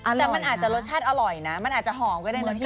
แต่มันอาจจะรสชาติอร่อยนะมันอาจจะหอมก็ได้นะพี่